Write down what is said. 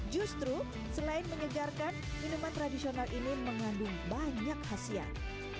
justru selain menyegarkan minuman tradisional ini mengandung banyak khasiat